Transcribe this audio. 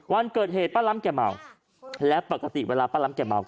วันเกิดเหตุป้าล้ำแกเมาและปกติเวลาป้าล้ำแกเมา